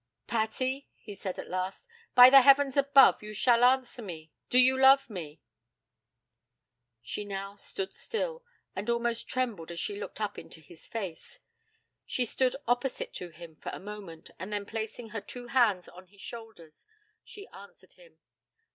'Patty,' he said at last. 'By the heavens above us you shall answer me. Do you love me?' She now stood still, and almost trembled as she looked up into his face. She stood opposite to him for a moment, and then placing her two hands on his shoulders, she answered him.